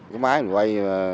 cái máy mình quay